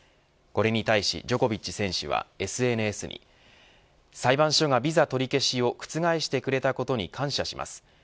これに対しジョコビッチ選手はＳＮＳに裁判所がビザ取り消しを覆してくれたことに感謝します。